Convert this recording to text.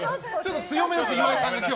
強めです、岩井さんが。